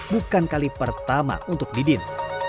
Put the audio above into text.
bukan kali pertama untuk didin